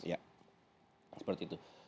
ya seperti itu